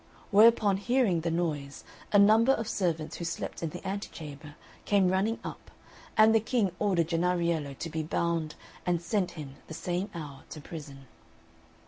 Whereupon, hearing the noise, a number of servants who slept in the antechamber came running up, and the King ordered Jennariello to be bound, and sent him the same hour to prison.